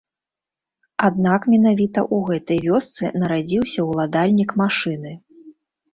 Аднак менавіта ў гэтай вёсцы нарадзіўся ўладальнік машыны.